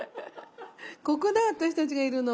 ここだ私たちがいるの。